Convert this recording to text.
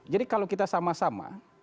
jadi kalau kita sama sama